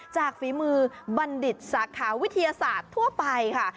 จากฝีมือบรรดิษฐาวิทยาศาสตร์ทั่วไปค่ะ